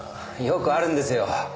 よくあるんですよ